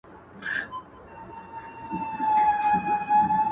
يو خوا يې توره سي تياره ښكاريږي.